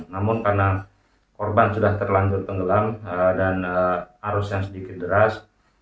namun karena korban sudah terlanjur tenggelam dan arus yang sedikit deras